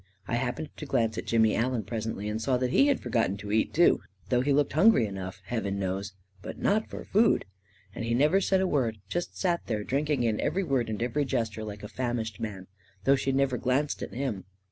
I happened to glance at Jimmy Allen presently, and saw that he had forgotten to eat, too — though he looked hungry enough, heaven knows — but not for food ! And he never said a word — just sat there, drinking in every word and every gesture like a famished man, though she never glanced at him.